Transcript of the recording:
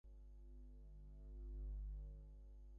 ভালবাসা আসিলে উহাই মুক্তি, উহাই পূর্ণতা, উহাই স্বর্গ।